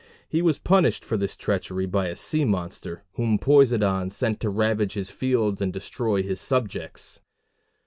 He was punished for this treachery by a sea monster, whom Poseidon sent to ravage his fields and to destroy his subjects.